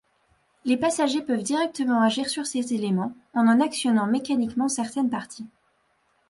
Les passagers peuvent directement agir sur ces éléments en en actionnant mécaniquement certaines parties.